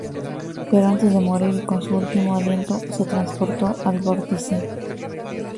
Pero antes de morir y con su último aliento, se transportó al Vórtice.